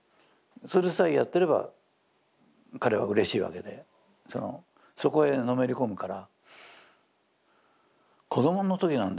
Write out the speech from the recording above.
それさえやっていれば彼はうれしいわけでそのそこへのめり込むから。